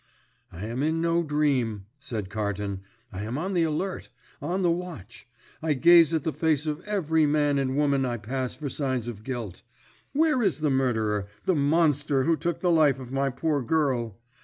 "I am in no dream," said Carton. "I am on the alert, on the watch. I gaze at the face of every man and woman I pass for signs of guilt. Where is the murderer, the monster who took the life of my poor girl?